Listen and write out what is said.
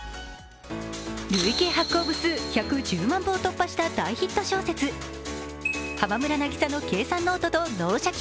累計発行部数１１０万部を突破した大ヒット小説「浜村渚の計算ノート」と「脳シャキ！